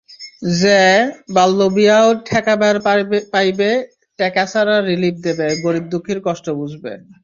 যায় বাল্যবিয়াও ঠেকেবার পাইবে, ট্যাকা ছাড়া রিলিফ দেবে, গরিব-দুঃখীর কষ্ট বুঝবে।